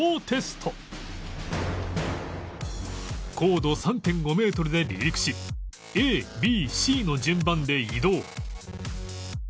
高度 ３．５ メートルで離陸し ＡＢＣ の順番で移動